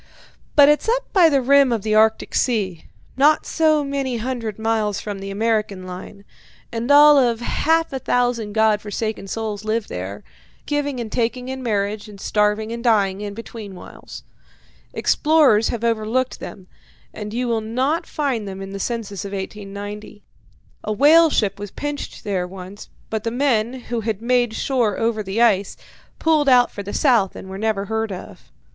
But it's up by the rim of the Arctic Sea, not so many hundred miles from the American line, and all of half a thousand God forsaken souls live there, giving and taking in marriage, and starving and dying in between whiles. Explorers have overlooked them, and you will not find them in the census of 1890. A whale ship was pinched there once, but the men, who had made shore over the ice, pulled out for the south and were never heard of.